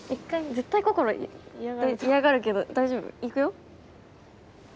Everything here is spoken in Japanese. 絶対心嫌がるけど大丈夫？いくよ。